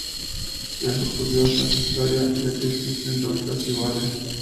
Es curiosa su historia ya que existen dos casi iguales.